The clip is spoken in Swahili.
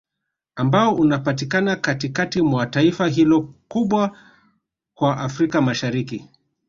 Ambao unapatikana Katikati mwa taifa hilo kubwa kwa Afrika Mashariki